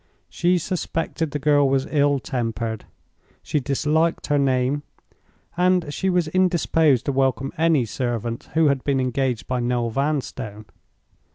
She suspected the girl was ill tempered; she disliked her name; and she was indisposed to welcome any servant who had been engaged by Noel Vanstone.